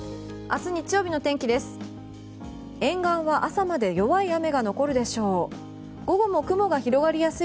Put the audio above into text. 明日日曜日の天気です。